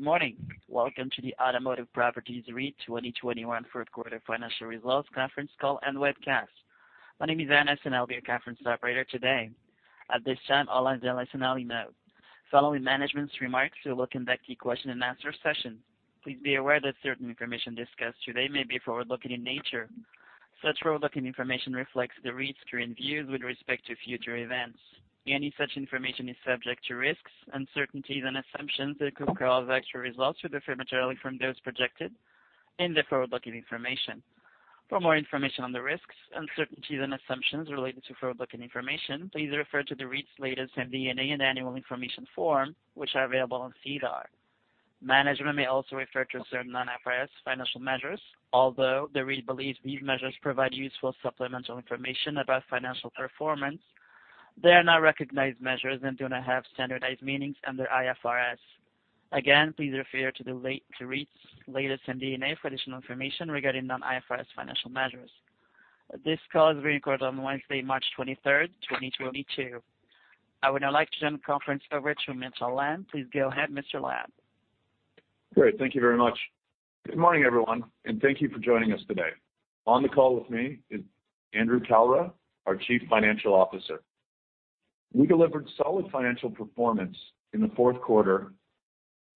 Good morning. Welcome to the Automotive Properties REIT 2021 Q3 Financial Results Conference Call and Webcast. My name is Anna, and I'll be your conference operator today. At this time, all lines are in listen-only mode. Following management's remarks, we'll look into a question-and-answer session. Please be aware that certain information discussed today may be forward-looking in nature. Such forward-looking information reflects the REIT's current views with respect to future events. Any such information is subject to risks, uncertainties, and assumptions that could cause actual results to differ materially from those projected in the forward-looking information. For more information on the risks, uncertainties, and assumptions related to forward-looking information, please refer to the REIT's latest MD&A and Annual Information Form, which are available on SEDAR. Management may also refer to certain non-IFRS financial measures. Although the REIT believes these measures provide useful supplemental information about financial performance, they are not recognized measures and do not have standardized meanings under IFRS. Again, please refer to the REIT's latest MD&A for additional information regarding non-IFRS financial measures. This call is being recorded on Wednesday, March 23, 2022. I would now like to turn the conference over to Milton Lamb. Please go ahead, Mr. Lamb. Great. Thank you very much. Good morning, everyone, and thank you for joining us today. On the call with me is Andrew Kalra, our Chief Financial Officer. We delivered solid financial performance in the Q4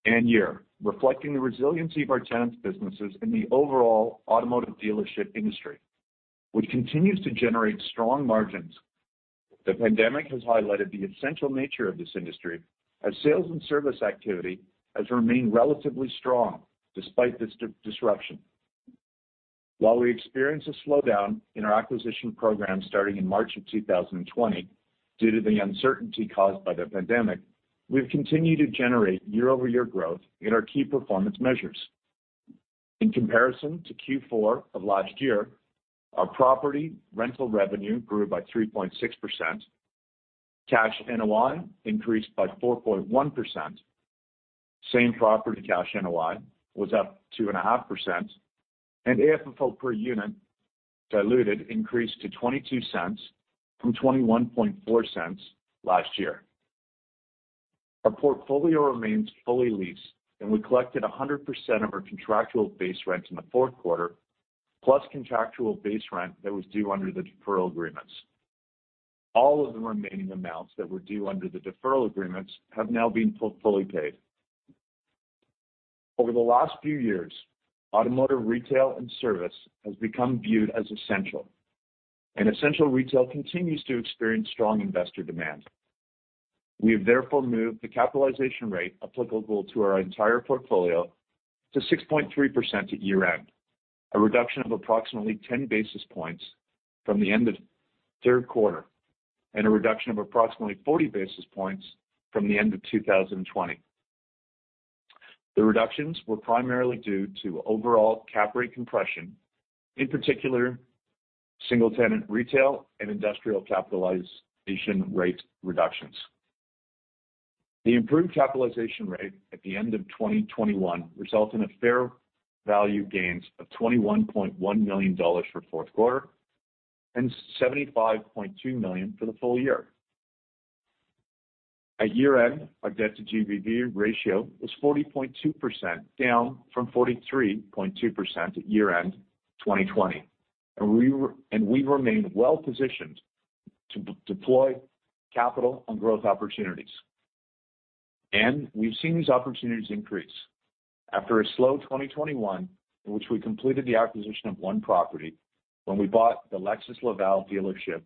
and year, reflecting the resiliency of our tenants' businesses and the overall automotive dealership industry, which continues to generate strong margins. The pandemic has highlighted the essential nature of this industry as sales and service activity has remained relatively strong despite this disruption. While we experienced a slowdown in our acquisition program starting in March of 2020 due to the uncertainty caused by the pandemic, we've continued to generate year-over-year growth in our key performance measures. In comparison to Q4 of last year, our property rental revenue grew by 3.6%, cash NOI increased by 4.1%, same property cash NOI was up 2.5%, and AFFO per unit diluted increased to 0.22 from 0.214 last year. Our portfolio remains fully leased, and we collected 100% of our contractual base rents in the Q4, plus contractual base rent that was due under the deferral agreements. All of the remaining amounts that were due under the deferral agreements have now been fully paid. Over the last few years, automotive retail and service has become viewed as essential, and essential retail continues to experience strong Investor demand. We have therefore moved the capitalization rate applicable to our entire portfolio to 6.3% at year-end, a reduction of approximately 10 basis points from the end of Q3, and a reduction of approximately 40 basis points from the end of 2020. The reductions were primarily due to overall cap rate compression, in particular single-tenant retail and industrial capitalization rate reductions. The improved capitalization rate at the end of 2021 result in a fair value gains of 21.1 million dollars for Q4 and 75.2 million for the full year. At year-end, our debt-to-GBV ratio was 40.2%, down from 43.2% at year-end 2020. We've remained well-positioned to deploy capital on growth opportunities. We've seen these opportunities increase. After a slow 2021 in which we completed the acquisition of one property when we bought the Lexus Laval dealership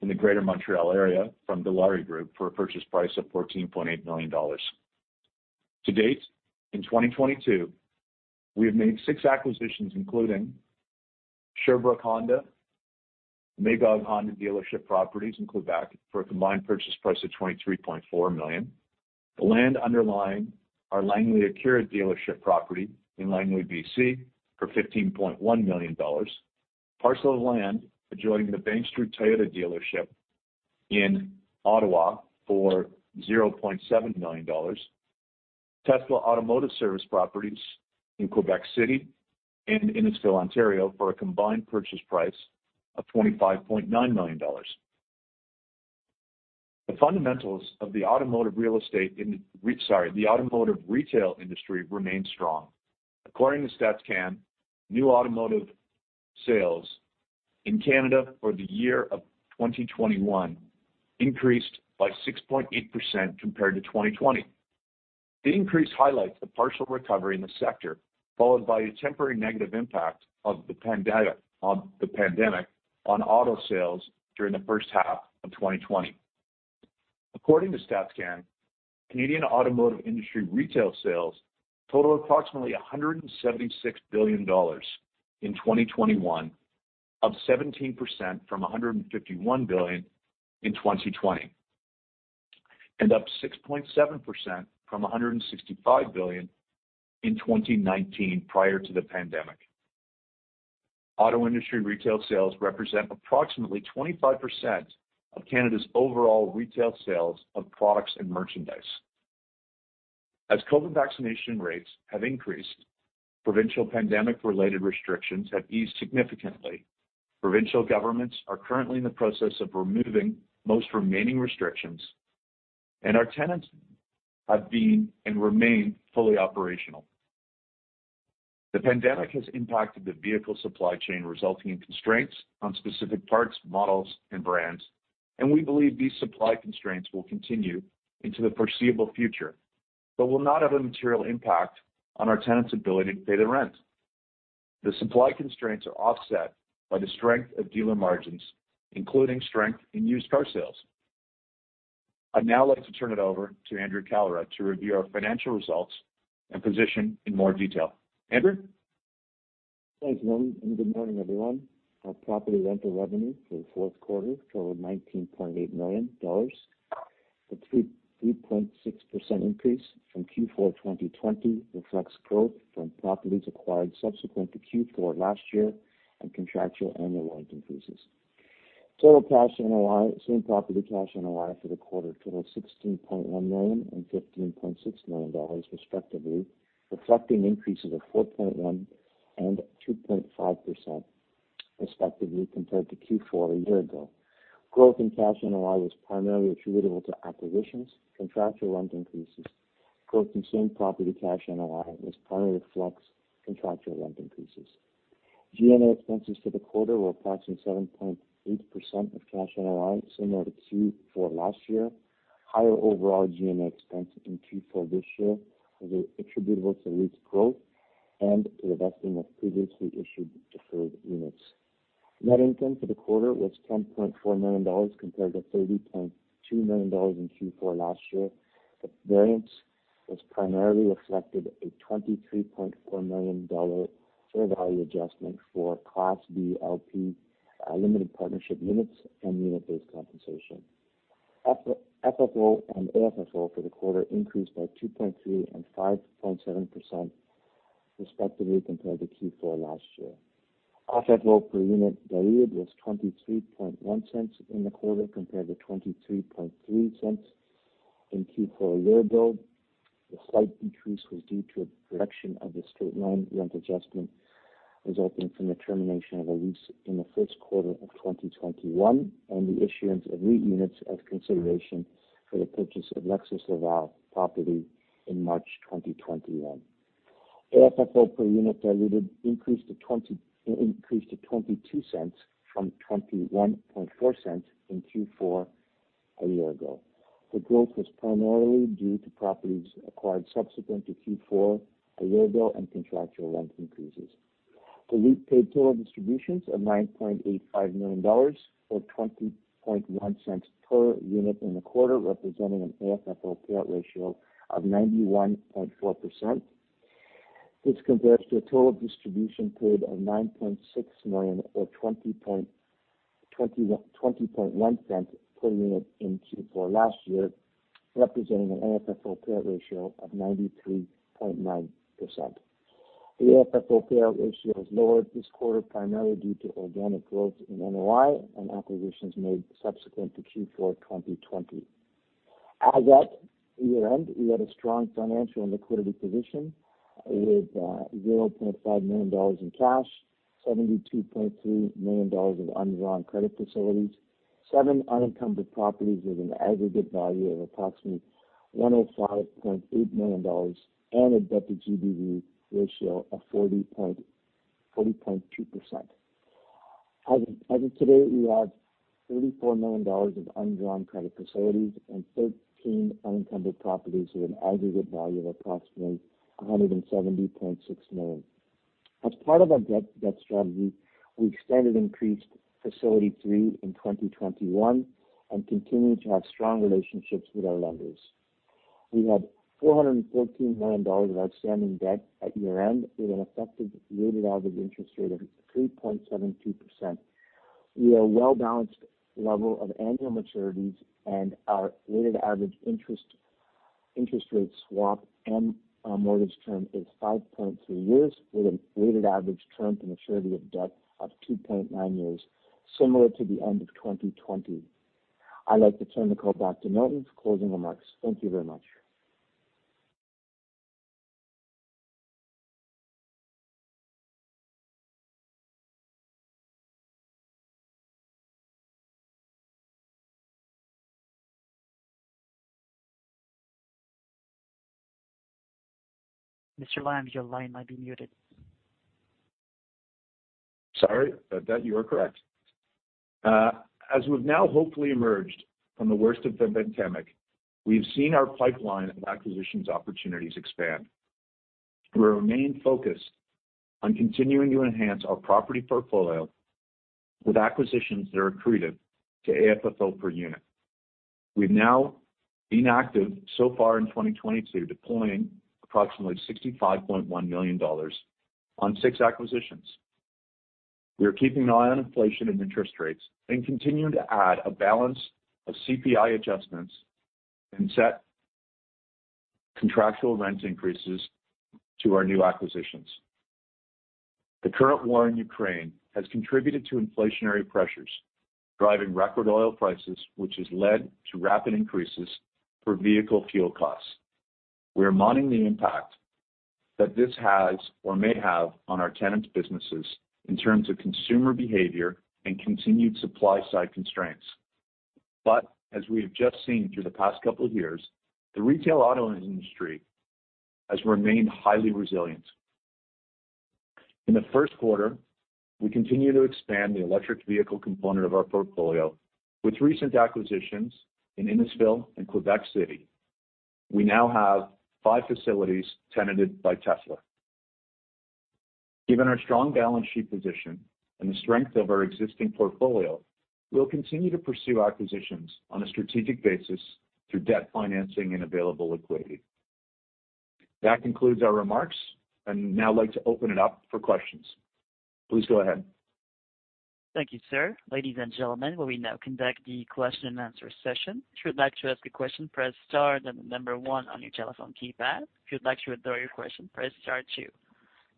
in the Greater Montreal area from the Dilawri Group for a purchase price of 14.8 million dollars. To date, in 2022, we have made six acquisitions, including Sherbrooke Honda, Magog Honda dealership properties in Québec for a combined purchase price of 23.4 million. The land underlying our Langley Acura dealership property in Langley, B.C., for 15.1 million dollars. Parcel of land adjoining the Bank Street Toyota dealership in Ottawa for 0.7 million dollars. Tesla automotive service properties in Québec City and Innisfil, Ontario, for a combined purchase price of 25.9 million dollars. The fundamentals of the automotive retail industry remains strong. According to Statistics Canada, new automotive sales in Canada for the year of 2021 increased by 6.8% compared to 2020. The increase highlights the partial recovery in the sector, followed by a temporary negative impact of the pandemic on auto sales during the first half of 2020. According to Statistics Canada, Canadian automotive industry retail sales total approximately 176 billion dollars in 2021, up 17% from 151 billion in 2020, and up 6.7% from 165 billion in 2019 prior to the pandemic. Auto industry retail sales represent approximately 25% of Canada's overall retail sales of products and merchandise. As COVID vaccination rates have increased, provincial pandemic-related restrictions have eased significantly. Provincial governments are currently in the process of removing most remaining restrictions, and our tenants have been and remain fully operational. The pandemic has impacted the vehicle supply chain, resulting in constraints on specific parts, models, and brands. We believe these supply constraints will continue into the foreseeable future, but will not have a material impact on our tenants' ability to pay their rent. The supply constraints are offset by the strength of dealer margins, including strength in used car sales. I'd now like to turn it over to Andrew Kalra to review our financial results and position in more detail. Andrew? Thanks, Milton, and good morning, everyone. Our property rental revenue for the Q4 totaled CAD 19.8 million. The 3.6% increase from Q4 2020 reflects growth from properties acquired subsequent to Q4 last year and contractual annual rent increases. Total cash NOI and same-property cash NOI for the quarter totaled 16.1 million and 15.6 million dollars, respectively, reflecting increases of 4.1% and 2.5% respectively compared to Q4 a year ago. Growth in cash NOI was primarily attributable to acquisitions, contractual rent increases. Growth in same-property cash NOI was primarily reflects contractual rent increases. G&A expenses for the quarter were approximately 7.8% of cash NOI, similar to Q4 last year. Higher overall G&A expense in Q4 this year was attributable to lease growth and the vesting of previously issued deferred units. Net income for the quarter was 10.4 million dollars compared to 30.2 million dollars in Q4 last year. The variance has primarily reflected a 23.4 million dollar fair value adjustment for Class B LP limited partnership units and unit-based compensation. FFO and AFFO for the quarter increased by 2.3% and 5.7%, respectively, compared to Q4 last year. FFO per unit diluted was 0.231 in the quarter compared to 0.233 in Q4 a year ago. The slight decrease was due to a reduction of the straight-line rent adjustment resulting from the termination of a lease in the Q1 of 2021 and the issuance of new units as consideration for the purchase of Lexus Laval property in March 2021. AFFO per unit diluted increased to 0.22 from 0.214 in Q4 a year ago. The growth was primarily due to properties acquired subsequent to Q4 a year ago and contractual rent increases. The REIT paid total distributions of 9.85 million dollars, or 0.201 per unit in the quarter, representing an AFFO payout ratio of 91.4%. This compares to a total distribution paid of 9.6 million or 0.201 per unit in Q4 last year, representing an AFFO payout ratio of 93.9%. The AFFO payout ratio has lowered this quarter, primarily due to organic growth in NOI on acquisitions made subsequent to Q4 2020. As at year-end, we had a strong financial and liquidity position with 0.5 million dollars in cash, 72.3 million dollars of undrawn credit facilities, 7 unencumbered properties with an aggregate value of approximately 105.8 million dollars, and a debt-to-GBV ratio of 40.2%. As of today, we have 34 million dollars of undrawn credit facilities and 13 unencumbered properties with an aggregate value of approximately 170.6 million. As part of our debt strategy, we extended and increased Facility 3 in 2021 and continue to have strong relationships with our lenders. We had 414 million dollars of outstanding debt at year-end, with an effective weighted average interest rate of 3.72%. We have a well-balanced level of annual maturities and our weighted average interest rate swap and mortgage term is 5.2 years with a weighted average term to maturity of debt of 2.9 years, similar to the end of 2020. I'd like to turn the call back to Milton for closing remarks. Thank you very much. Mr. Lamb, your line might be muted. Sorry about that. You are correct. As we've now hopefully emerged from the worst of the pandemic, we've seen our pipeline of acquisitions opportunities expand. We remain focused on continuing to enhance our property portfolio with acquisitions that are accretive to AFFO per unit. We've now been active so far in 2022, deploying approximately 65.1 million dollars on 6 acquisitions. We are keeping an eye on inflation and interest rates and continuing to add a balance of CPI adjustments and set contractual rent increases to our new acquisitions. The current war in Ukraine has contributed to inflationary pressures, driving record oil prices, which has led to rapid increases for vehicle fuel costs. We are monitoring the impact that this has or may have on our tenants' businesses in terms of consumer behavior and continued supply side constraints. As we have just seen through the past couple of years, the retail auto industry has remained highly resilient. In the Q1, we continue to expand the electric vehicle component of our portfolio. With recent acquisitions in Innisfil and Québec City, we now have five facilities tenanted by Tesla. Given our strong balance sheet position and the strength of our existing portfolio, we'll continue to pursue acquisitions on a strategic basis through debt financing and available liquidity. That concludes our remarks. I'd now like to open it up for questions. Please go ahead. Thank you, sir. Ladies and gentlemen, we now conduct the question-and-answer session. If you would like to ask a question, press Star, then the number 1 on your telephone keypad. If you'd like to withdraw your question, press Star 2.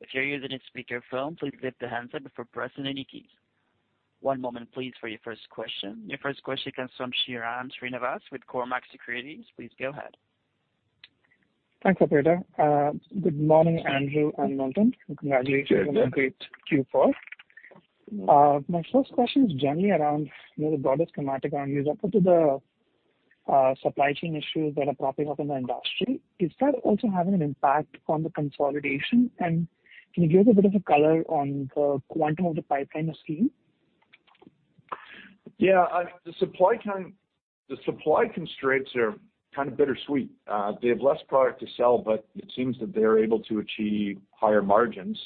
If you're using a speakerphone, please lift the handset before pressing any keys. One moment please for your first question. Your first question comes from Sairam Srinivas with ATB Cormark Capital Markets. Please go ahead. Thanks, operator. Good morning, Andrew and Milton. Good day. Congratulations on a great Q4. My first question is generally around, you know, the broadest schematic related to the supply chain issues that are popping up in the industry. Is that also having an impact on the consolidation? Can you give a bit of a color on the quantum of the pipeline you're seeing? Yeah. The supply constraints are kind of bittersweet. They have less product to sell, but it seems that they're able to achieve higher margins,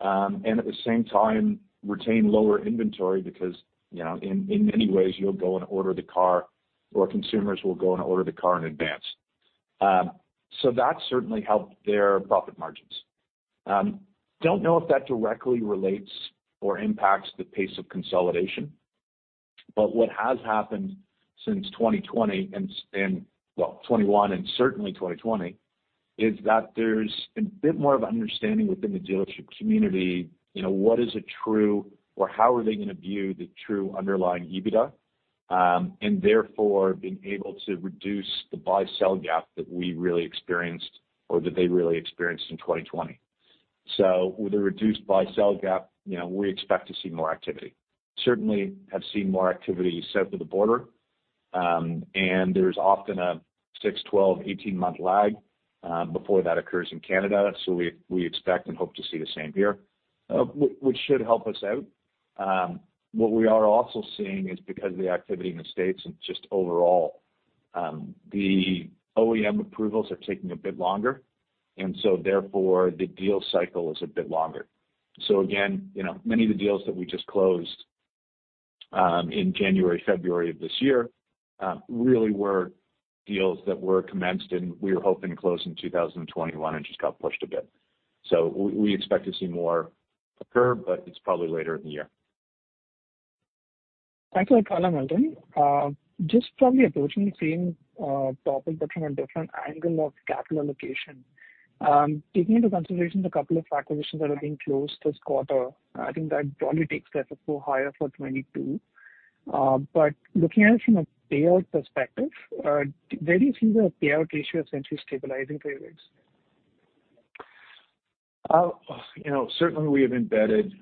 and at the same time retain lower inventory because, you know, in many ways you'll go and order the car or consumers will go and order the car in advance. So that certainly helped their profit margins. I don't know if that directly relates or impacts the pace of consolidation. What has happened since 2020 and well, 2021 and certainly 2020, is that there's a bit more of an understanding within the dealership community, you know, what is a true or how are they gonna view the true underlying EBITDA, and therefore being able to reduce the buy-sell gap that we really experienced or that they really experienced in 2020. With a reduced buy-sell gap, you know, we expect to see more activity. We certainly have seen more activity south of the border, and there's often a 6, 12, 18-month lag before that occurs in Canada. We expect and hope to see the same here, which should help us out. What we are also seeing is because of the activity in the States and just overall, the OEM approvals are taking a bit longer, and so therefore the deal cycle is a bit longer. Again, you know, many of the deals that we just closed in January, February of this year really were deals that were commenced, and we were hoping to close in 2021 and just got pushed a bit. We expect to see more occur, but it's probably later in the year. Thanks for that color, Milton. Just probably approaching the same topic but from a different angle of capital allocation. Taking into consideration the couple of acquisitions that have been closed this quarter, I think that probably takes the AFFO higher for 2022. Looking at it from a payout perspective, where do you see the payout ratio essentially stabilizing to, Milton? You know, certainly we have embedded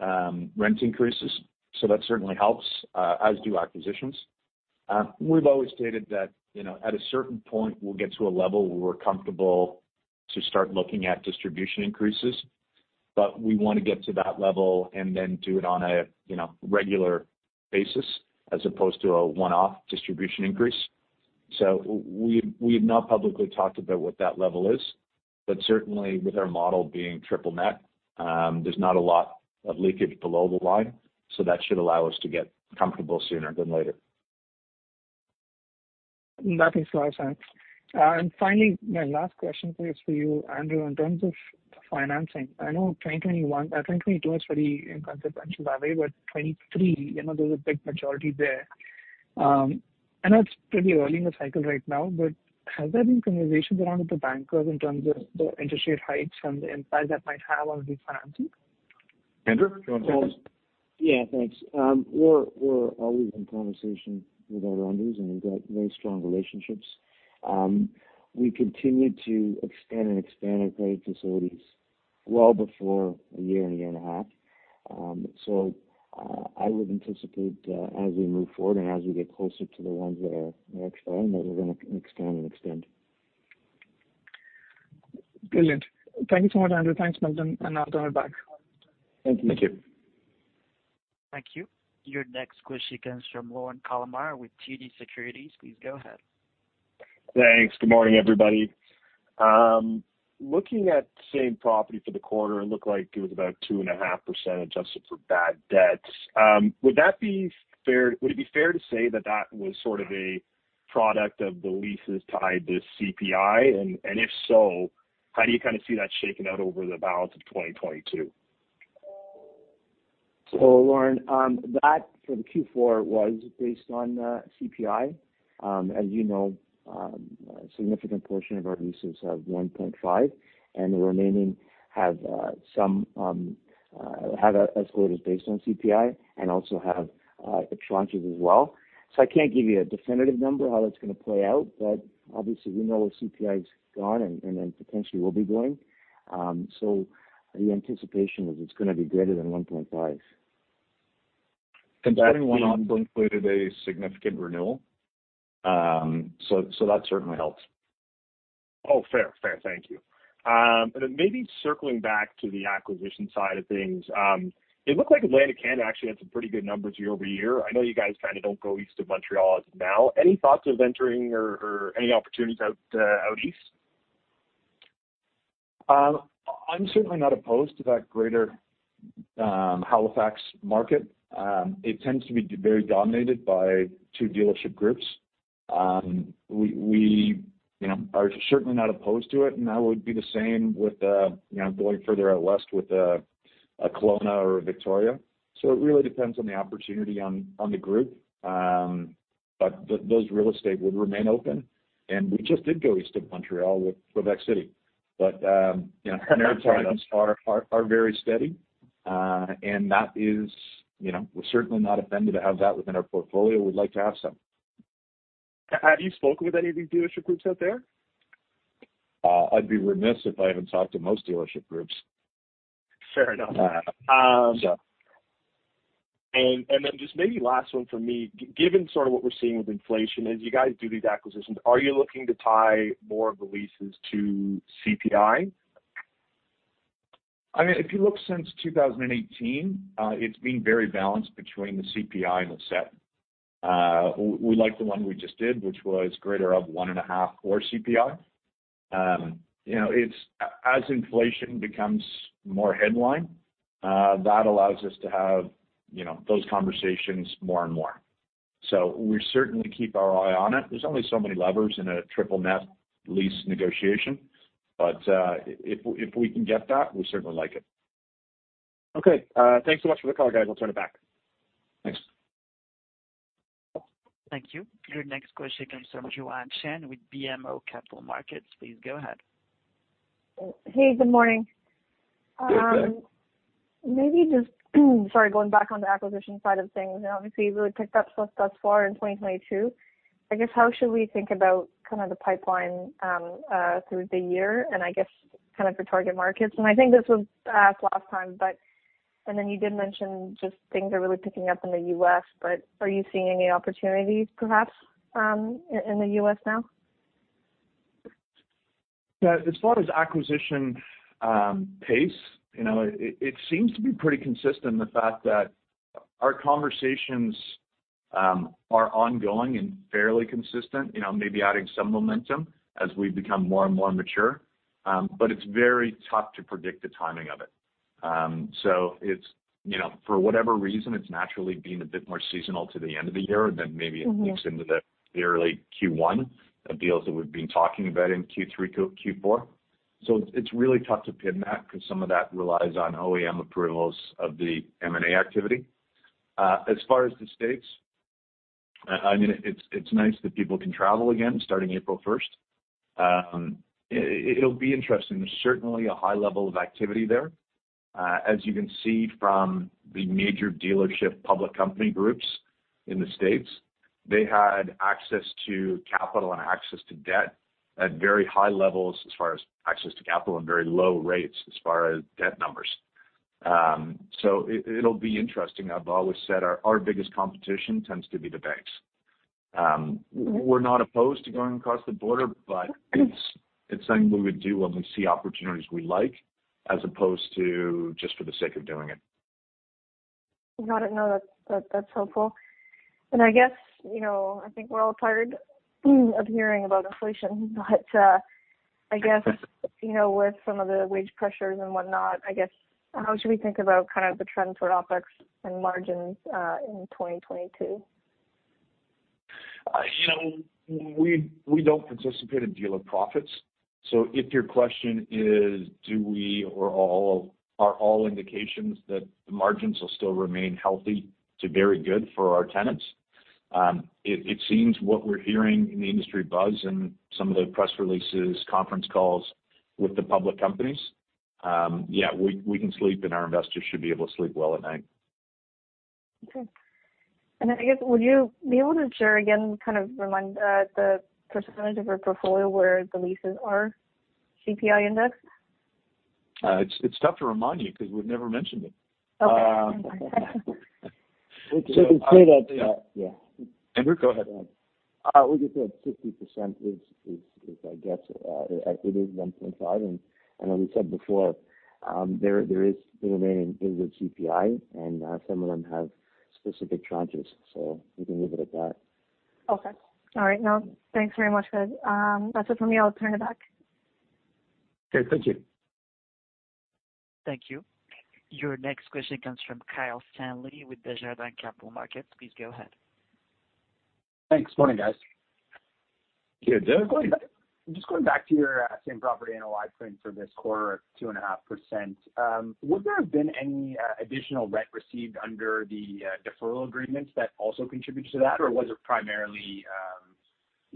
rent increases, so that certainly helps, as do acquisitions. We've always stated that, you know, at a certain point, we'll get to a level where we're comfortable to start looking at distribution increases. We want to get to that level and then do it on a, you know, regular basis as opposed to a one-off distribution increase. We've not publicly talked about what that level is, but certainly with our model being triple net, there's not a lot of leakage below the line, so that should allow us to get comfortable sooner than later. That makes a lot of sense. Finally, my last question please for you, Andrew. In terms of financing, I know 2022 is pretty inconsequential that way, but 2023, there's a big majority there. I know it's pretty early in the cycle right now, but have there been conversations around with the bankers in terms of the interest rate hikes and the impact that might have on refinancing? Andrew, do you want to take this? Yeah, thanks. We're always in conversation with our lenders, and we've got very strong relationships. We continue to extend and expand our credit facilities well before a year and a half. I would anticipate as we move forward and as we get closer to the ones that are expiring, that we're gonna expand and extend. Brilliant. Thank you so much, Andrew. Thanks, Milton. I'll turn it back. Thank you. Thank you. Thank you. Your next question comes from Lorne Kalmar with TD Securities. Please go ahead. Thanks. Good morning, everybody. Looking at same property for the quarter, it looked like it was about 2.5% adjusted for bad debts. Would it be fair to say that that was sort of a product of the leases tied to CPI? If so, how do you kind of see that shaking out over the balance of 2022? Lorne, that for the Q4 was based on CPI. As you know, a significant portion of our leases have 1.5, and the remaining have some escalators based on CPI and also have tranches as well. I can't give you a definitive number how that's gonna play out, but obviously we know where CPI's gone and then potentially will be going. The anticipation is it's gonna be greater than 1.5. that one also included a significant renewal. So that certainly helps. Oh, fair. Thank you. Maybe circling back to the acquisition side of things, it looked like Atlantic Canada actually had some pretty good numbers year-over-year. I know you guys kinda don't go east of Montreal as of now. Any thoughts of entering or any opportunities out east? I'm certainly not opposed to that greater Halifax market. It tends to be very dominated by two dealership groups. We, you know, are certainly not opposed to it, and that would be the same with, you know, going further out west with, a Kelowna or a Victoria. It really depends on the opportunity on the group. Those real estate would remain open, and we just did go east of Montreal with Québec City. You know, our margins are very steady. You know, we're certainly not offended to have that within our portfolio. We'd like to have some. Have you spoken with any of these dealership groups out there? I'd be remiss if I haven't talked to most dealership groups. Fair enough. Yeah. Just maybe last one from me. Given sort of what we're seeing with inflation, as you guys do these acquisitions, are you looking to tie more of the leases to CPI? I mean, if you look since 2018, it's been very balanced between the CPI and the reset. We like the one we just did, which was greater of 1.5% or CPI. You know, as inflation becomes more headline, that allows us to have, you know, those conversations more and more. We certainly keep our eye on it. There's only so many levers in a triple net lease negotiation. But if we can get that, we certainly like it. Okay. Thanks so much for the call, guys. I'll turn it back. Thanks. Thank you. Your next question comes from Joanne Chen with BMO Capital Markets. Please go ahead. Hey, good morning. Good day. Maybe just, sorry, going back on the acquisition side of things, you know, obviously you really picked up stuff thus far in 2022. I guess how should we think about kind of the pipeline through the year and I guess kind of your target markets? I think this was asked last time, but then you did mention just things are really picking up in the U.S., but are you seeing any opportunities perhaps in the U.S. now? Yeah. As far as acquisition pace, you know, it seems to be pretty consistent, the fact that our conversations are ongoing and fairly consistent, you know, maybe adding some momentum as we become more and more mature. It's very tough to predict the timing of it. It's, you know, for whatever reason, it's naturally been a bit more seasonal to the end of the year, and then maybe. Mm-hmm It leaks into the early Q1, the deals that we've been talking about in Q3, Q4. It's really tough to pin that because some of that relies on OEM approvals of the M&A activity. As far as the States, I mean, it's nice that people can travel again starting April 1st. It'll be interesting. There's certainly a high level of activity there. As you can see from the major dealership public company groups in the States, they had access to capital and access to debt at very high levels as far as access to capital and very low rates as far as debt numbers. It'll be interesting. I've always said our biggest competition tends to be the banks. We're not opposed to going across the border, but it's something we would do when we see opportunities we like as opposed to just for the sake of doing it. Got it. No, that's helpful. I guess, you know, I think we're all tired of hearing about inflation, but I guess, you know, with some of the wage pressures and whatnot, I guess how should we think about kind of the trend for OpEx and margins in 2022? You know, we don't anticipate a decline in profits. If your question is, are all indications that the margins will still remain healthy to very good for our tenants, it seems what we're hearing in the industry buzz and some of the press releases, conference calls with the public companies, yeah, we can sleep and our Investors should be able to sleep well at night. I guess would you be able to share again, kind of remind, the percentage of your portfolio where the leases are CPI indexed? It's tough to remind you because we've never mentioned it. Okay. To say that, yeah. Andrew, go ahead. We could say 60% is, I guess, it is 1.5. As we said before, the remaining is with CPI and some of them have specific tranches. We can leave it at that. Okay. All right. No, thanks very much, guys. That's it for me. I'll turn it back. Okay, thank you. Thank you. Your next question comes from Kyle Stanley with Desjardins Capital Markets. Please go ahead. Thanks. Good morning, guys. Just going back to your same property NOI print for this quarter at 2.5%, would there have been any additional rent received under the deferral agreements that also contributes to that? Or was it primarily,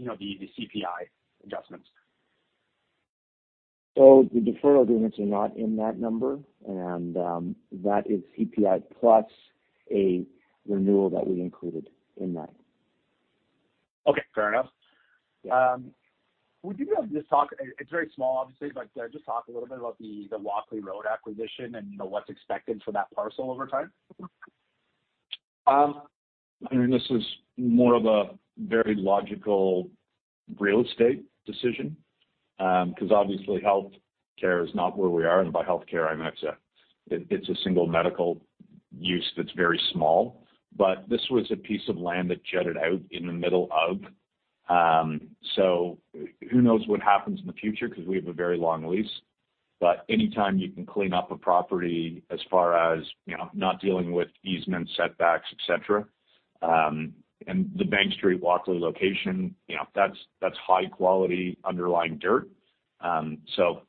you know, the CPI adjustments? The deferral agreements are not in that number and that is CPI plus a renewal that we included in that. Okay, fair enough. Yeah. Would you be able to just talk? It's very small, obviously, but just talk a little bit about the Walkley Road acquisition and, you know, what's expected for that parcel over time? I mean, this is more of a very logical real estate decision, 'cause obviously healthcare is not where we are, and by healthcare I meant, it's a single medical use that's very small. This was a piece of land that jutted out in the middle of, so who knows what happens in the future 'cause we have a very long lease. Any time you can clean up a property as far as, you know, not dealing with easements, setbacks, et cetera, and the Bank Street Walkley location, you know, that's high quality underlying dirt.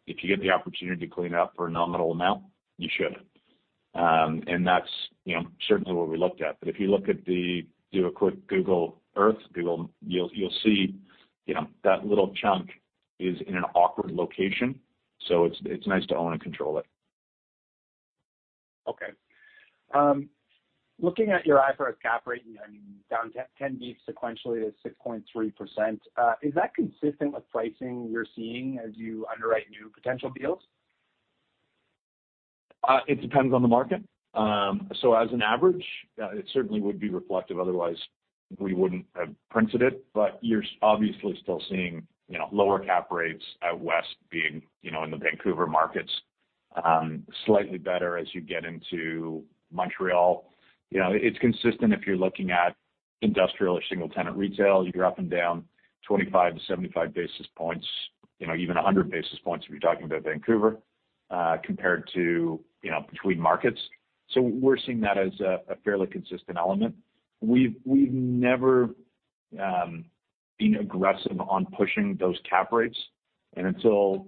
If you get the opportunity to clean it up for a nominal amount, you should. That's, you know, certainly what we looked at. If you look at the, do a quick Google Earth. You'll see, you know, that little chunk is in an awkward location, so it's nice to own and control it. Okay. Looking at your IFRS cap rate, you know, I mean, down 10 basis points sequentially to 6.3%, is that consistent with pricing you're seeing as you underwrite new potential deals? It depends on the market. As an average, it certainly would be reflective, otherwise we wouldn't have printed it. You're obviously still seeing, you know, lower cap rates out west being, you know, in the Vancouver markets, slightly better as you get into Montreal. You know, it's consistent if you're looking at industrial or single tenant retail. You're up and down 25-75 basis points, you know, even 100 basis points if you're talking about Vancouver, compared to, you know, between markets. We're seeing that as a fairly consistent element. We've never been aggressive on pushing those cap rates, and until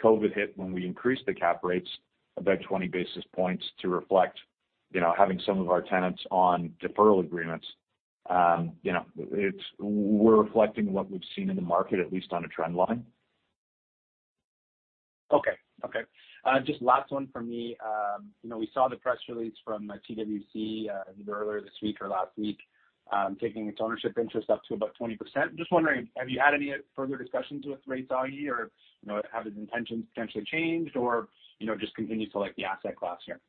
COVID hit, when we increased the cap rates about 20 basis points to reflect, you know, having some of our tenants on deferral agreements, you know, it's. We're reflecting what we've seen in the market at least on a trend line. Okay. Just last one from me. You know, we saw the press release from TWC, either earlier this week or last week, taking its ownership interest up to about 20%. Just wondering, have you had any further discussions with Reis Allaer or, you know, have his intentions potentially changed or, you know, just continue to like the asset class here?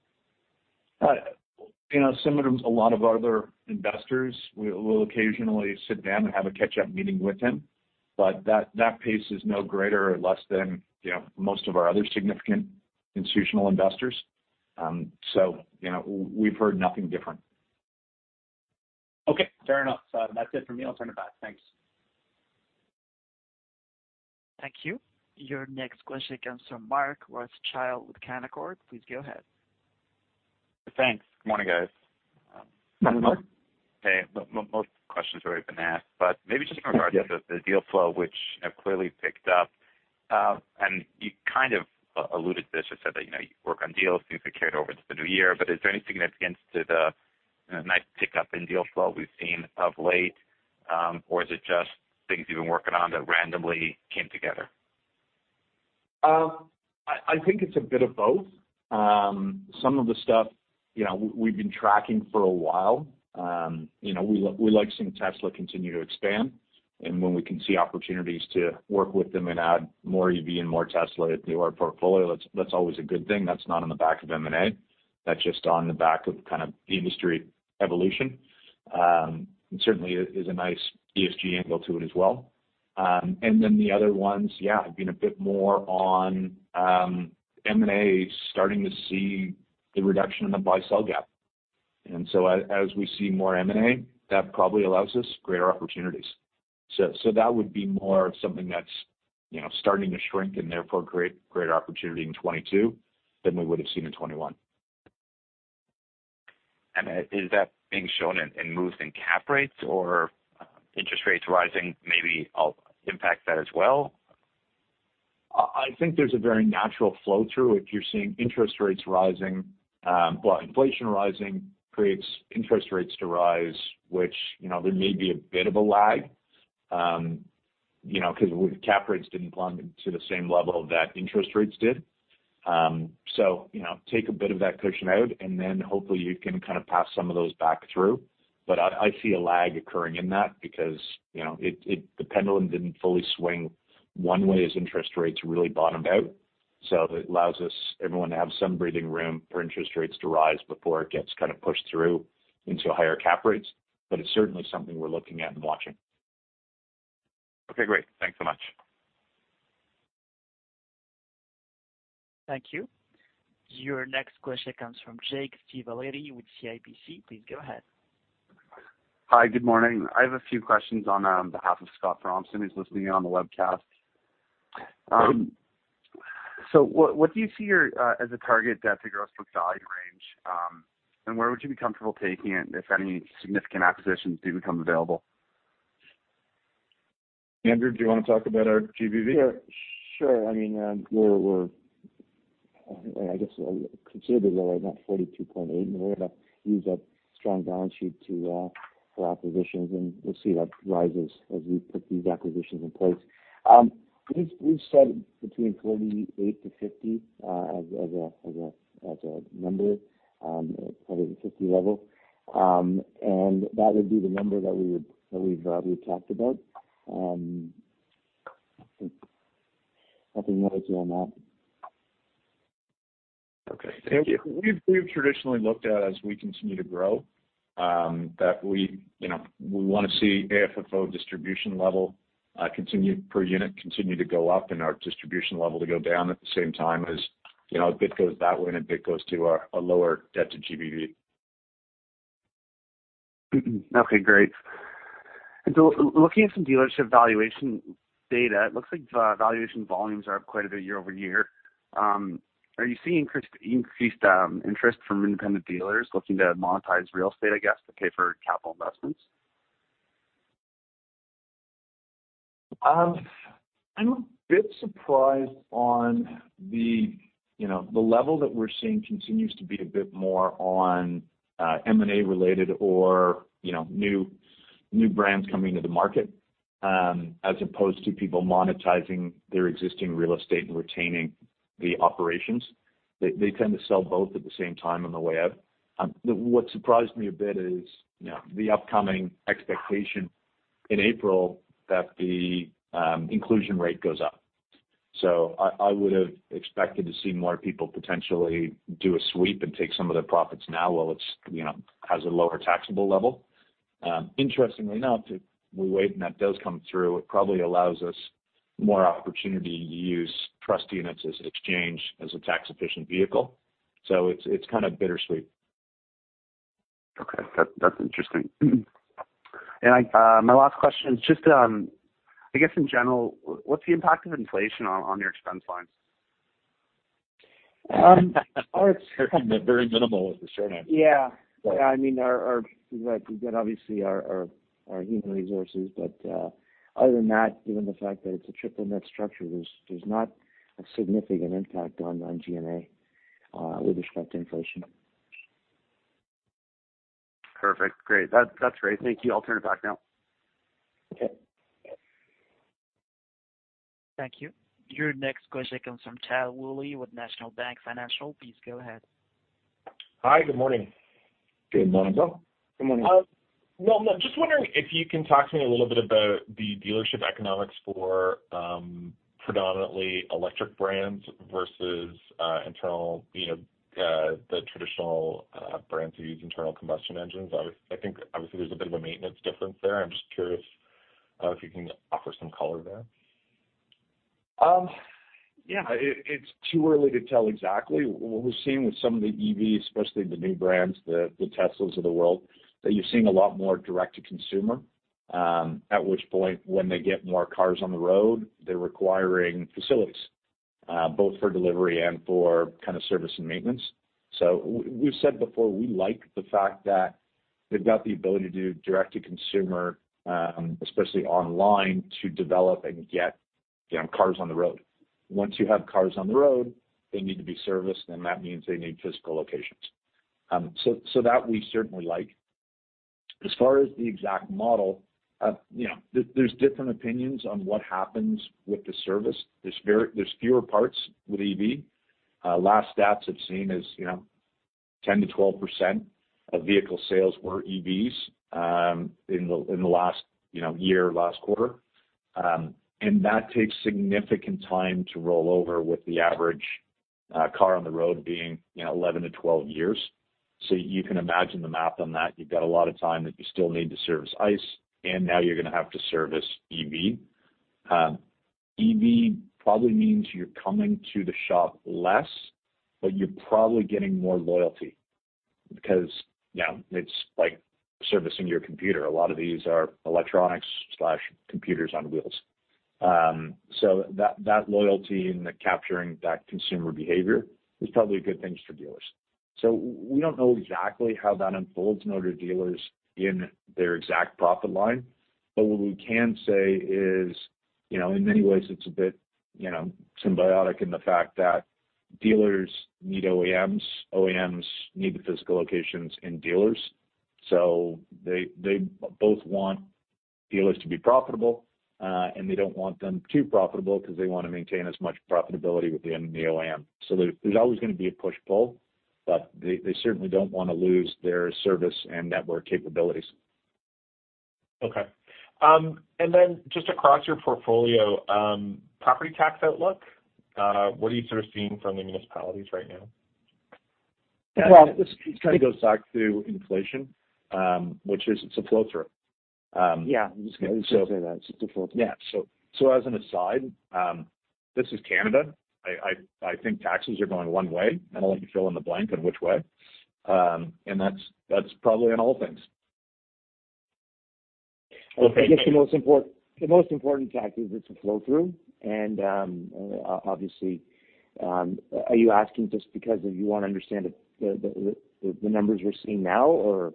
You know, similar to a lot of other Investors, we'll occasionally sit down and have a catch-up meeting with him, but that pace is no greater or less than, you know, most of our other significant Institutional Investors. You know, we've heard nothing different. Okay, fair enough. That's it for me. I'll turn it back. Thanks. Thank you. Your next question comes from Mark Rothschild with Canaccord. Please go ahead. Thanks. Good morning, guys. Good morning. Hey, most questions have already been asked, but maybe just in regards to the deal flow which have clearly picked up, and you kind of alluded to this. You said that, you know, you work on deals, things get carried over to the new year. Is there any significance to the, you know, nice pickup in deal flow we've seen of late, or is it just things you've been working on that randomly came together? I think it's a bit of both. Some of the stuff, you know, we've been tracking for a while. You know, we like seeing Tesla continue to expand, and when we can see opportunities to work with them and add more EV and more Tesla into our portfolio, that's always a good thing. That's not on the back of M&A. That's just on the back of kind of the industry evolution. Certainly is a nice ESG angle to it as well. Then the other ones, yeah, have been a bit more on M&A starting to see the reduction in the buy-sell gap. As we see more M&A, that probably allows us greater opportunities. That would be more of something that's, you know, starting to shrink and therefore create greater opportunity in 2022 than we would've seen in 2021. Is that being shown in moves in cap rates or interest rates rising maybe help impact that as well? I think there's a very natural flow through if you're seeing interest rates rising. Well, inflation rising creates interest rates to rise, which, you know, there may be a bit of a lag, you know, 'cause cap rates didn't plummet to the same level that interest rates did. You know, take a bit of that cushion out, and then hopefully you can kind of pass some of those back through. I see a lag occurring in that because, you know, the pendulum didn't fully swing one way as interest rates really bottomed out. It allows us, everyone to have some breathing room for interest rates to rise before it gets kind of pushed through into higher cap rates. It's certainly something we're looking at and watching. Okay. Great. Thanks so much. Thank you. Your next question comes from Jake Stovalti with CIBC. Please go ahead. Hi. Good morning. I have a few questions on behalf of Scott Fromson, who's listening in on the webcast. What do you see as your target debt to gross book value range? Where would you be comfortable taking it if any significant acquisitions do become available? Andrew, do you wanna talk about our GBV? Sure. I mean, we're considerably lower at that 42.8%, and we're gonna use that strong balance sheet to fund acquisitions, and we'll see that rises as we put these acquisitions in place. We've said between 48%-50% as a number at a 50% level. That would be the number that we've talked about. Nothing more to add on that. Okay. Thank you. We've traditionally looked at as we continue to grow, that we, you know, we wanna see AFFO distribution level continue per unit, continue to go up and our distribution level to go down at the same time as, you know, a bit goes that way and a bit goes to a lower debt-to-GBV. Okay, great. Looking at some dealership valuation data, it looks like the valuation volumes are up quite a bit year-over-year. Are you seeing increased interest from independent dealers looking to monetize real estate, I guess, to pay for capital investments? I'm a bit surprised on the, you know, the level that we're seeing continues to be a bit more on, M&A related or, you know, new brands coming to the market, as opposed to people monetizing their existing real estate and retaining the operations. They tend to sell both at the same time on the way out. What surprised me a bit is, you know, the upcoming expectation in April that the inclusion rate goes up. So I would have expected to see more people potentially do a sweep and take some of their profits now while it's, you know, has a lower taxable level. Interestingly enough, if we wait and that does come through, it probably allows us more opportunity to use trust units as exchange as a tax efficient vehicle. So it's kinda bittersweet. Okay. That's interesting. I, my last question is just on, I guess in general, what's the impact of inflation on your expense lines? Um, our- Very minimal is the short answer. Yeah. Yeah. I mean, we've got obviously our human resources, but other than that, given the fact that it's a triple net structure, there's not a significant impact on G&A with respect to inflation. Perfect. Great. That's great. Thank you. I'll turn it back now. Okay. Thank you. Your next question comes from Tal Woolley with National Bank Financial. Please go ahead. Hi. Good morning. Good morning. Good morning. No, no, just wondering if you can talk to me a little bit about the dealership economics for predominantly electric brands versus internal, you know, the traditional brands who use internal combustion engines. I think obviously there's a bit of a maintenance difference there. I'm just curious if you can offer some color there. Yeah. It's too early to tell exactly. What we're seeing with some of the EVs, especially the new brands, the Teslas of the world, that you're seeing a lot more direct to consumer, at which point when they get more cars on the road, they're requiring facilities, both for delivery and for kind of service and maintenance. We've said before, we like the fact that they've got the ability to do direct to consumer, especially online, to develop and get, you know, cars on the road. Once you have cars on the road, they need to be serviced, and that means they need physical locations. That we certainly like. As far as the exact model, you know, there's different opinions on what happens with the service. There's fewer parts with EV. Last stats I've seen is, you know, 10%-12% of vehicle sales were EVs in the last year, last quarter. That takes significant time to roll over with the average car on the road being, you know, 11-12 years. You can imagine the math on that. You've got a lot of time that you still need to service ICE, and now you're gonna have to service EV. EV probably means you're coming to the shop less, but you're probably getting more loyalty because, you know, it's like servicing your computer. A lot of these are electronics/computers on wheels. That loyalty and the capturing that consumer behavior is probably good things for dealers. We don't know exactly how that unfolds for dealers in their exact profit line, but what we can say is, you know, in many ways it's a bit, you know, symbiotic in the fact that dealers need OEMs need the physical locations and dealers. They both want dealers to be profitable, and they don't want them too profitable because they wanna maintain as much profitability within the OEM. There's always gonna be a push-pull, but they certainly don't wanna lose their service and network capabilities. Okay. Just across your portfolio, property tax outlook, what are you sort of seeing from the municipalities right now? Well, this kinda goes back to inflation, which is it's a flow-through. Yeah. I was gonna say that. It's a flow-through. As an aside, this is Canada. I think taxes are going one way. I'd like you to fill in the blank in which way. That's probably on all things. I guess the most important factor is it's a flow-through and obviously are you asking just because you wanna understand the numbers we're seeing now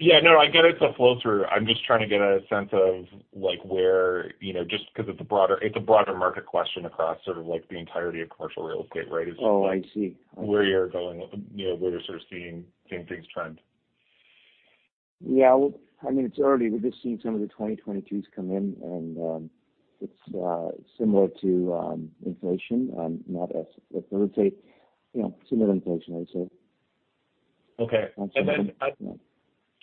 or? Yeah, no, I get it's a flow-through. I'm just trying to get a sense of like where, you know, just 'cause it's a broader market question across sort of like the entirety of commercial real estate, right? Oh, I see. Where you're going, you know, where you're sort of seeing things trend. Yeah. Well, I mean, it's early. We're just seeing some of the 2022s come in, and it's similar to inflation. I would say, you know, similar to inflation, I'd say. Okay. Absolutely.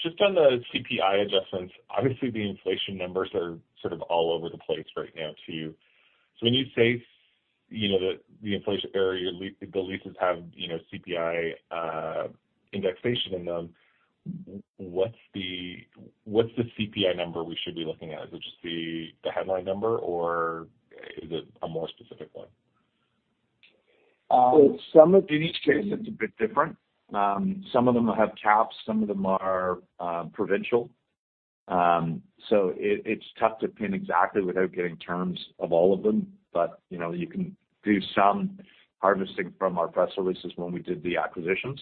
Just on the CPI adjustments, obviously the inflation numbers are sort of all over the place right now, too. When you say, you know, the inflation area, the leases have, you know, CPI indexation in them, what's the CPI number we should be looking at? Is it just the headline number or is it a more specific one? Um. Well, in each case it's a bit different. Some of them have caps, some of them are provincial. It's tough to pin exactly without getting terms of all of them. You know, you can do some harvesting from our press releases when we did the acquisitions.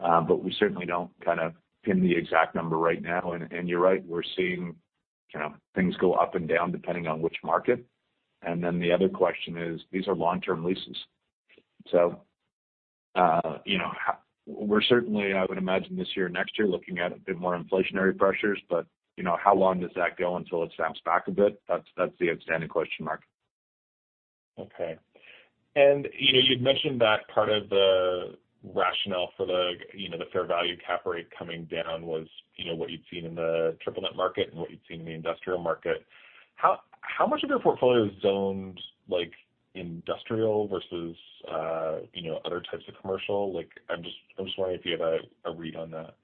We certainly don't kind of pin the exact number right now. You're right, we're seeing, you know, things go up and down depending on which market. The other question is, these are long-term leases. You know, we're certainly, I would imagine this year, next year, looking at a bit more inflationary pressures, but, you know, how long does that go until it snaps back a bit? That's the outstanding question. Okay. You know, you'd mentioned that part of the rationale for the, you know, the fair value cap rate coming down was, you know, what you'd seen in the triple net market and what you'd seen in the industrial market. How much of your portfolio is zoned, like industrial versus, you know, other types of commercial? Like, I'm just wondering if you have a read on that.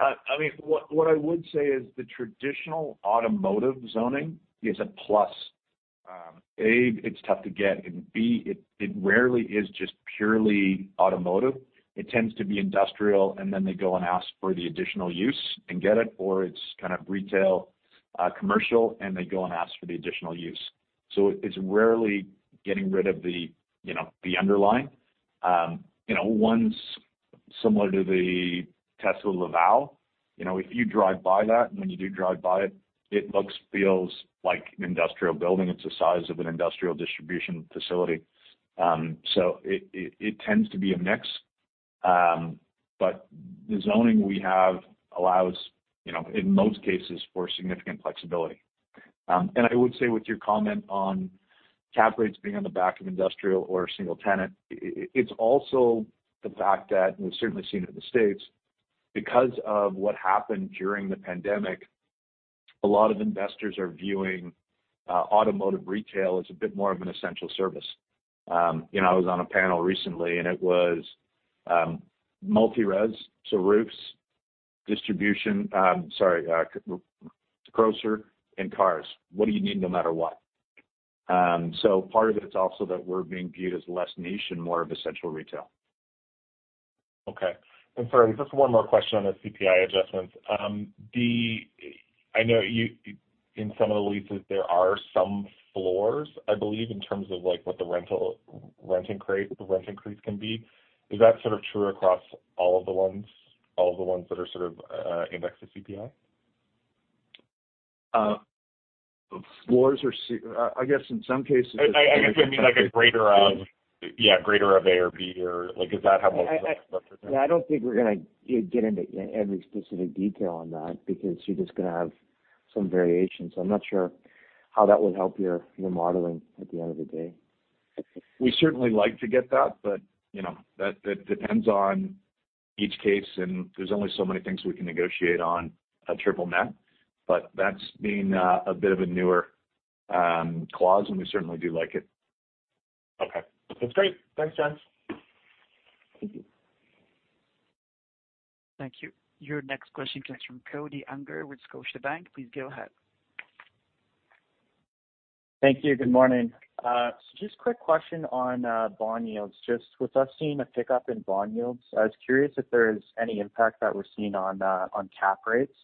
I mean, what I would say is the traditional automotive zoning is a plus. A, it's tough to get, and B, it rarely is just purely automotive. It tends to be industrial, and then they go and ask for the additional use and get it, or it's kind of retail, commercial, and they go and ask for the additional use. So it's rarely getting rid of the, you know, the underlying. You know, one's similar to the Tesla Laval. You know, if you drive by that, and when you do drive by it looks, feels like an industrial building. It's the size of an industrial distribution facility. So it tends to be a mix. But the zoning we have allows, you know, in most cases, for significant flexibility. I would say with your comment on cap rates being on the back of industrial or single tenant, it's also the fact that we've certainly seen it in the States, because of what happened during the pandemic, a lot of Investors are viewing automotive retail as a bit more of an essential service. You know, I was on a panel recently, and it was multi-residential, industrial, distribution, grocery and cars. What do you need no matter what? Part of it's also that we're being viewed as less niche and more of essential retail. Okay. Sorry, just one more question on the CPI adjustments. I know in some of the leases, there are some floors, I believe, in terms of like what the rental rate, rent increase can be. Is that sort of true across all of the ones that are sort of indexed to CPI? Floors are, I guess, in some cases. I would mean like a greater of A or B or like, is that how most- Yeah, I don't think we're gonna get into every specific detail on that because you're just gonna have some variations. I'm not sure how that would help your modeling at the end of the day. We certainly like to get that, but you know, that depends on each case, and there's only so many things we can negotiate on a triple net. That's been a bit of a newer clause, and we certainly do like it. Okay. That's great. Thanks, gents. Thank you. Thank you. Your next question comes from Cody Unger with Scotiabank. Please go ahead. Thank you. Good morning. Just quick question on bond yields. Just with us seeing a pickup in bond yields, I was curious if there is any impact that we're seeing on cap rates.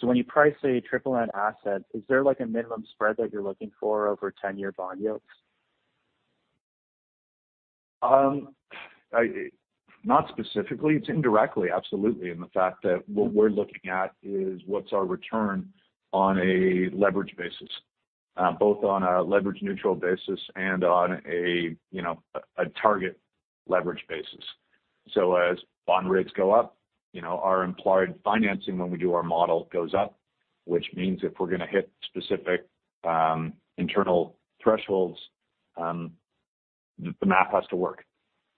When you price a triple net asset, is there like a minimum spread that you're looking for over 10-year bond yields? Not specifically. It's indirectly, absolutely. In the fact that what we're looking at is what's our return on a leverage basis, both on a leverage neutral basis and on a, you know, a target leverage basis. As bond rates go up, you know, our implied financing when we do our model goes up, which means if we're gonna hit specific, internal thresholds, the math has to work.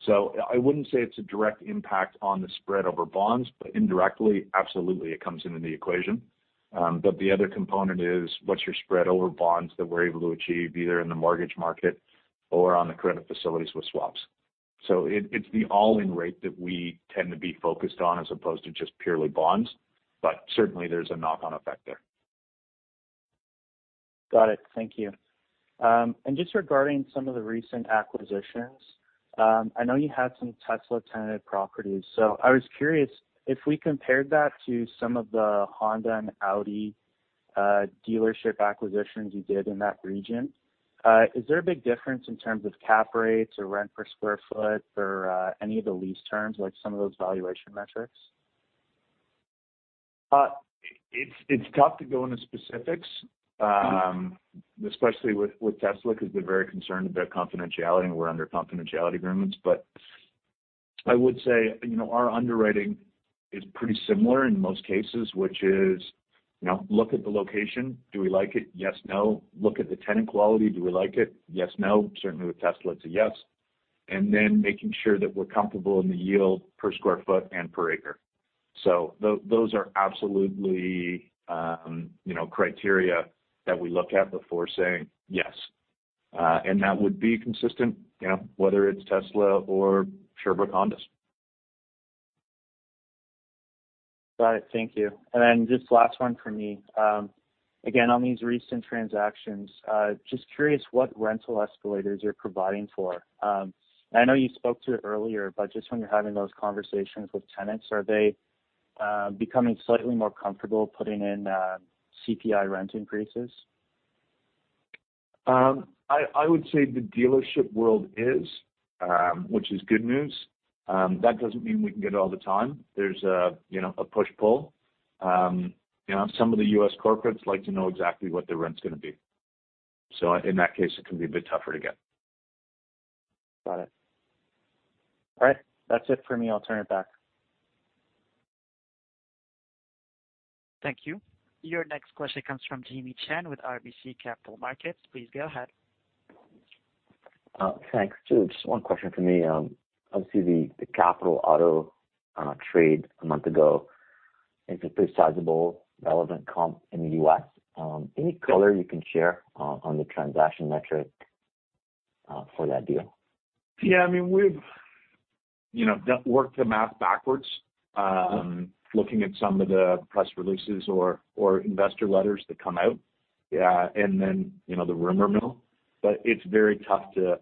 I wouldn't say it's a direct impact on the spread over bonds, but indirectly, absolutely it comes into the equation. But the other component is what's your spread over bonds that we're able to achieve, either in the mortgage market or on the credit facilities with swaps. It's the all-in rate that we tend to be focused on as opposed to just purely bonds, but certainly there's a knock-on effect there. Got it. Thank you. Just regarding some of the recent acquisitions, I know you had some Tesla tenanted properties. I was curious if we compared that to some of the Honda and Audi dealership acquisitions you did in that region, is there a big difference in terms of cap rates or rent per sq ft or any of the lease terms like some of those valuation metrics? It's tough to go into specifics, especially with Tesla, because they're very concerned about confidentiality, and we're under confidentiality agreements. I would say, you know, our underwriting is pretty similar in most cases, which is, you know, look at the location. Do we like it? Yes, no. Look at the tenant quality. Do we like it? Yes, no. Certainly with Tesla, it's a yes. And then making sure that we're comfortable in the yield per square foot and per acre. Those are absolutely, you know, criteria that we look at before saying yes. That would be consistent, you know, whether it's Tesla or Sherbrooke Honda. Got it. Thank you. Just last one for me. Again, on these recent transactions, just curious what rental escalators you're providing for. I know you spoke to it earlier, but just when you're having those conversations with tenants, are they becoming slightly more comfortable putting in CPI rent increases? I would say the dealership world is, which is good news. That doesn't mean we can get it all the time. There's you know, a push-pull. You know, some of the U.S. corporates like to know exactly what the rent's gonna be. In that case, it can be a bit tougher to get. Got it. All right. That's it for me. I'll turn it back. Thank you. Your next question comes from Jimmy Shan with RBC Capital Markets. Please go ahead. Thanks. Just one question for me. Obviously the Capital Automotive trade a month ago is a pretty sizable relevant comp in the U.S. Any color you can share on the transaction metric for that deal? Yeah. I mean, we've you know worked the math backwards, looking at some of the press releases or Investor letters that come out, and then you know the rumor mill. It's very tough to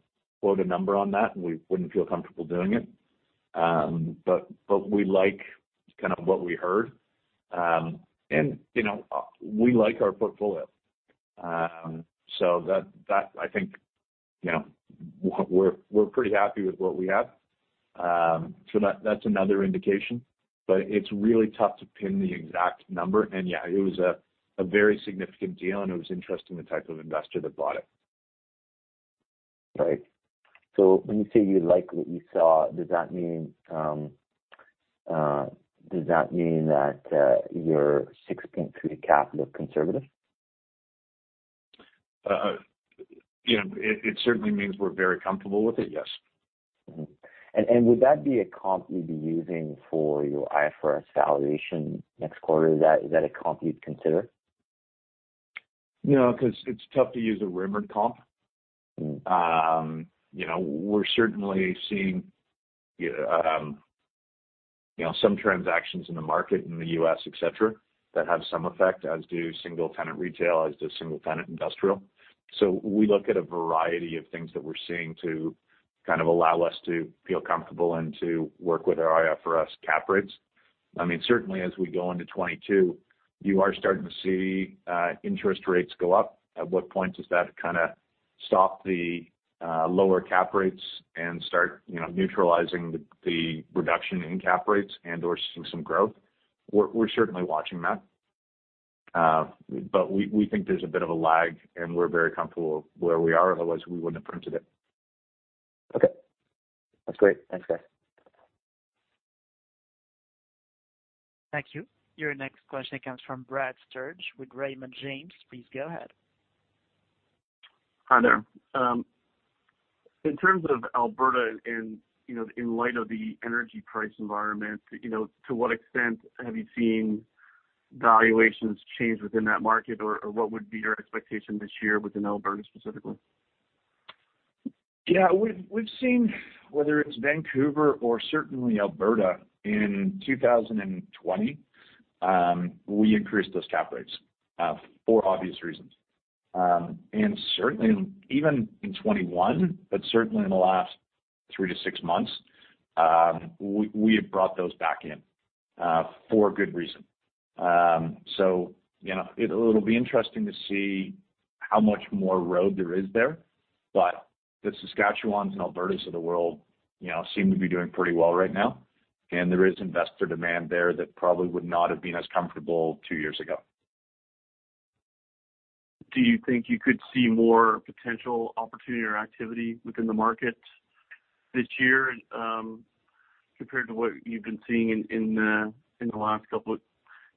quote a number on that, and we wouldn't feel comfortable doing it. We like kind of what we heard. You know, we like our portfolio. That, I think, you know, we're pretty happy with what we have. That's another indication, but it's really tough to pin the exact number. Yeah, it was a very significant deal, and it was interesting the type of Investor that bought it. Right. When you say you like what you saw, does that mean that your 6.2 cap is conservative? You know, it certainly means we're very comfortable with it, yes. Would that be a comp you'd be using for your IFRS valuation next quarter? Is that a comp you'd consider? You know, 'cause it's tough to use a rumored comp. Mm-hmm. You know, we're certainly seeing, you know, some transactions in the market in the U.S., et cetera, that have some effect, as do single tenant retail, as do single tenant industrial. We look at a variety of things that we're seeing to kind of allow us to feel comfortable and to work with our IFRS cap rates. I mean, certainly as we go into 2022, you are starting to see interest rates go up. At what point does that kinda stop the lower cap rates and start, you know, neutralizing the reduction in cap rates and/or seeing some growth? We're certainly watching that. We think there's a bit of a lag, and we're very comfortable where we are, otherwise we wouldn't have printed it. Okay. That's great. Thanks, guys. Thank you. Your next question comes from Brad Sturges with Raymond James. Please go ahead. Hi there. In terms of Alberta and, you know, in light of the energy price environment, you know, to what extent have you seen valuations change within that market or what would be your expectation this year within Alberta specifically? Yeah. We've seen whether it's Vancouver or certainly Alberta in 2020, we increased those cap rates, for obvious reasons. Certainly even in 2021, but certainly in the last 3-6 months, we have brought those back in, for good reason. You know, it'll be interesting to see how much more road there is there. The Saskatchewan and Alberta of the world, you know, seem to be doing pretty well right now, and there is Investor demand there that probably would not have been as comfortable 2 years ago. Do you think you could see more potential opportunity or activity within the market this year, compared to what you've been seeing in the last couple of,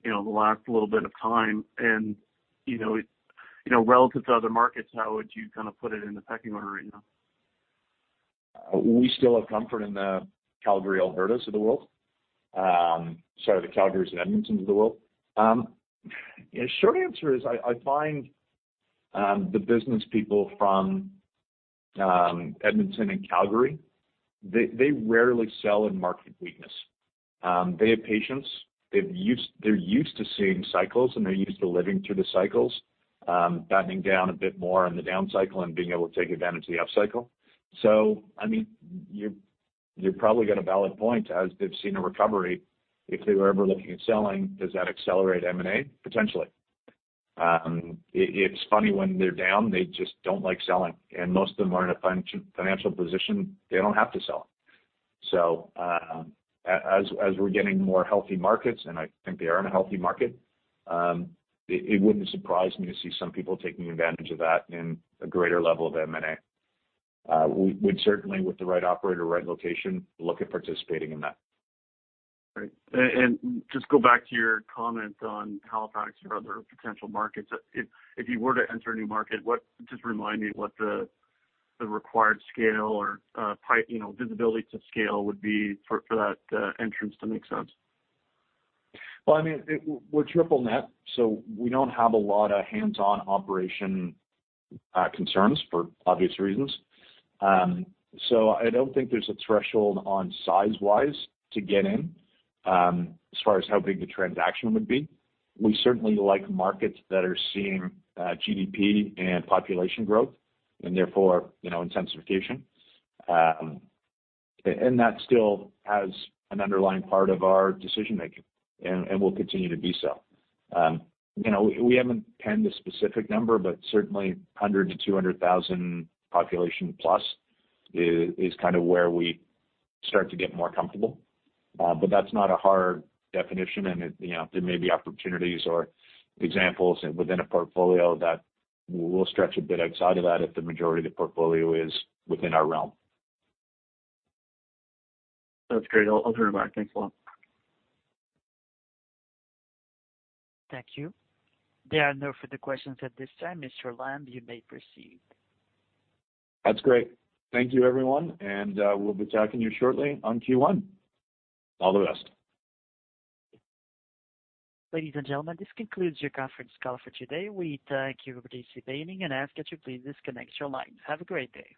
you know, the last little bit of time? You know, relative to other markets, how would you kind of put it in the pecking order right now? We still have comfort in the Calgary and Edmonton of the world. Short answer is I find the business people from Edmonton and Calgary, they rarely sell in market weakness. They have patience. They're used to seeing cycles, and they're used to living through the cycles, battening down a bit more on the down cycle and being able to take advantage of the upcycle. I mean, you probably got a valid point as they've seen a recovery. If they were ever looking at selling, does that accelerate M&A? Potentially. It's funny when they're down, they just don't like selling, and most of them are in a financial position they don't have to sell. As we're getting more healthy markets, and I think they are in a healthy market, it wouldn't surprise me to see some people taking advantage of that in a greater level of M&A. We would certainly, with the right operator, right location, look at participating in that. Right. Just go back to your comment on Halifax or other potential markets. If you were to enter a new market, just remind me what the required scale or you know, visibility to scale would be for that entrance to make sense. Well, I mean, we're triple net, so we don't have a lot of hands-on operation concerns for obvious reasons. I don't think there's a threshold on size-wise to get in as far as how big the transaction would be. We certainly like markets that are seeing GDP and population growth and therefore, you know, intensification that still has an underlying part of our decision-making and will continue to be so. You know, we haven't pinned a specific number, but certainly 100,000-200,000 population plus is kind of where we start to get more comfortable. That's not a hard definition and it, you know, there may be opportunities or examples within a portfolio that we'll stretch a bit outside of that if the majority of the portfolio is within our realm. That's great. I'll turn it back. Thanks a lot. Thank you. There are no further questions at this time. Mr. Lamb, you may proceed. That's great. Thank you everyone, and we'll be talking to you shortly on Q1. All the best. Ladies and gentlemen, this concludes your conference call for today. We thank you for participating and ask that you please disconnect your line. Have a great day.